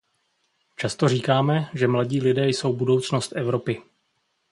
Často říkáme, že mladí lidé jsou budoucnost Evropy.